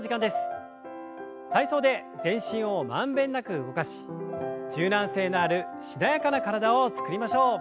体操で全身を満遍なく動かし柔軟性のあるしなやかな体を作りましょう。